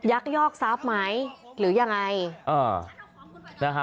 ยักยอกทราบไหมหรือยังไง